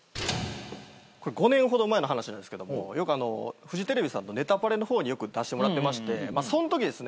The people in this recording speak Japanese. これ５年ほど前の話なんですけどもフジテレビさんの『ネタパレ』の方によく出してもらってましてそんときですね